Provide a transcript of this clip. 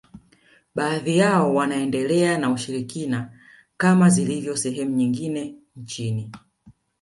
Baadhi yao wanaendelea na ushirikina kama zilivyo sehemu nyingine nchini